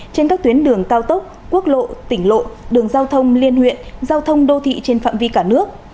trên các tuyến đường cao tốc quốc lộ tỉnh lộ đường giao thông liên huyện giao thông đô thị trên phạm vi cả nước